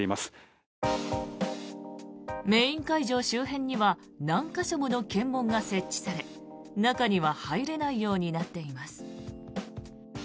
周辺には何か所もの検問が設置され中には入れないようになっています。